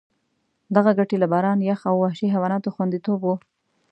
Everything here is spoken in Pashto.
دغه ګټې له باران، یخ او وحشي حیواناتو خوندیتوب وو.